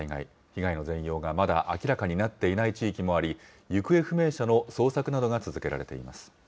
被害の全容がまだ明らかになっていない地域もあり、行方不明者の捜索などが続けられています。